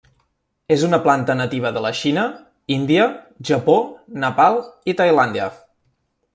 És una planta nativa de la Xina, Índia, Japó Nepal i Tailàndia.